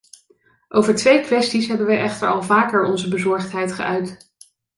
Over twee kwesties hebben wij echter al vaker onze bezorgdheid geuit.